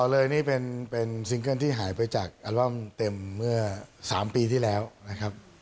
เลยนี่เป็นซิงเกิ้ลที่หายไปจากอัลเต็มเมื่อ๓ปีที่แล้วนะครับ